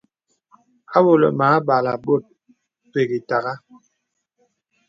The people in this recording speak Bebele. Awɔ̄lə̀ mə âbalə̀ bòt pək ìtagha.